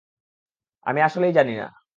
আমি আসলেই জানি না।